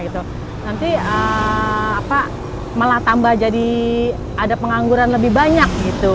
nanti malah tambah jadi ada pengangguran lebih banyak gitu